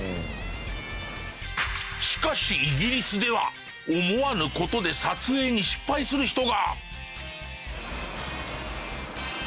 しかしイギリスでは思わぬ事で撮影に失敗する人が。